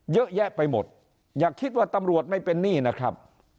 เยอะแยะไปหมดอย่าคิดว่าตำรวจไม่เป็นหนี้นะครับ